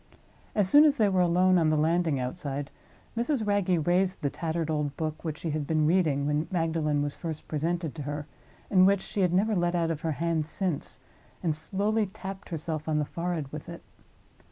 As soon as they were alone on the landing outside, Mrs. Wragge raised the tattered old book which she had been reading when Magdalen was first presented to her, and which she had never let out of her hand since, and slowly tapped herself on the forehead with it.